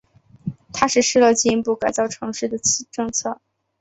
他实施了进一步改造城市的政策。